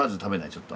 ちょっと。